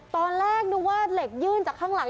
ตอนแรกนึกว่าเหล็กยื่นจากข้างหลัง